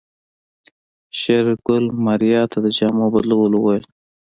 شېرګل ماريا ته د جامو بدلولو وويل.